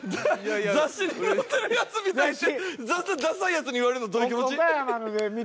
「雑誌に載ってるやつみたい」ってダサいやつに言われるのどういう気持ち？